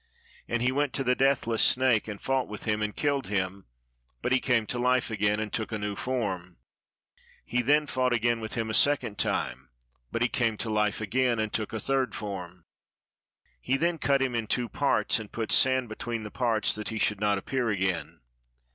And he went to the deathless snake, and fought with him, and killed him; but he came to Hfe again, and took a new form. He then fought again with him a second time; but he came to life again, and took a third form. He then cut him in two parts, and put sand between the parts, that he should not appear again.